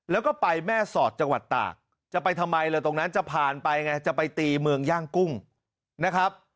แล้วก็ไปแม่สอดจังหวัดตากจะไปทำไมล่ะตรงนั้นจะผ่านไปไงจะไปตีเมืองย่างกุ้งนะครับ